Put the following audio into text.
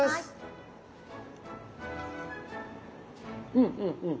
うんうんうん。